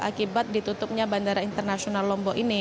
akibat ditutupnya bandara internasional lombok ini